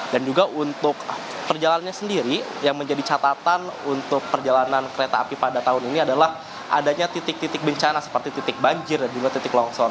dan juga untuk perjalanannya sendiri yang menjadi catatan untuk perjalanan kereta api pada tahun ini adalah adanya titik titik bencana seperti titik banjir dan juga titik longsor